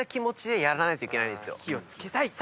火を付けたいっていう。